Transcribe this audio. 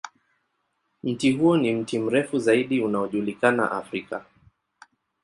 Mti huo ni mti mrefu zaidi unaojulikana Afrika.